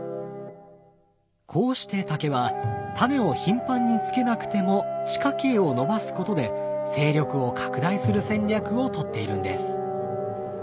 こうして竹はタネを頻繁につけなくても地下茎を伸ばすことで勢力を拡大する戦略を取っているんです。